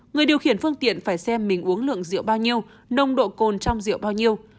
người điều khiển phương tiện phải xem mình uống lượng rượu bao nhiêu nồng độ cồn trong rượu bao nhiêu